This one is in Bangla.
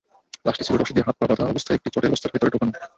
লাশটি ছিল রশি দিয়ে হাত-পা বাঁধা অবস্থায় একটি চটের বস্তার ভেতরে ঢোকানো।